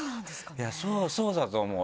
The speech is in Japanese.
そうだと思う。